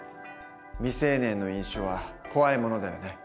未成年の飲酒は怖いものだよね。